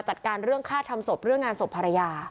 จัดการเรื่องค่าทำศพเรื่องงานศพภรรยา